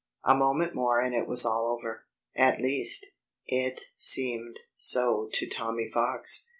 A moment more and it was all over. At least, it seemed so to Tommy Fox.